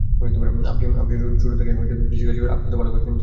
আপনি ছোট থেকেই কৃষিকাজ করছেন আপনি তো ভালো কাজ জানেন।